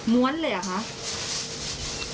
ม้วนเลยอะคะ